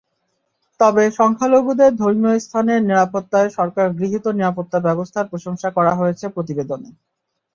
তবে সংখ্যালঘুদের ধর্মীয় স্থানের নিরাপত্তায় সরকার গৃহীত নিরাপত্তাব্যবস্থার প্রশংসা করা হয়েছে প্রতিবেদনে।